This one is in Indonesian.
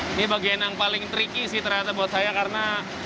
ini bagian yang paling tricky sih ternyata buat saya karena